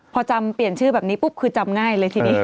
พอจำเปลี่ยนชื่อแบบนี้ปุ๊บคือจำง่ายเลยทีนี้